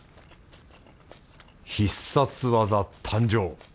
必殺技誕生！